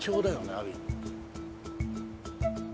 ある意味。